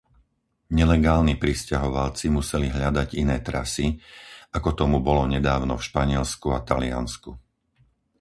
Nelegálni prisťahovalci museli hľadať iné trasy, ako tomu bolo nedávno v Španielsku a Taliansku.